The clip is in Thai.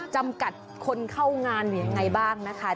จำกัดคนเข้างานหรือยังไงบ้างนะคะ